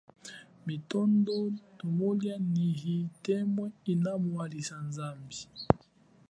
Mitondo, tshumulia, nyi itemwe ina muhalisa zambi.